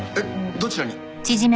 どちらに？